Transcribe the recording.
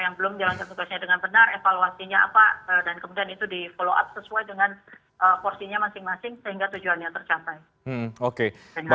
dan kemudian itu di follow up sesuai dengan porsinya masing masing sehingga tujuannya tercapai